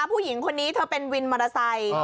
ผู้หญิงคนนี้เธอเป็นวินมอเตอร์ไซค์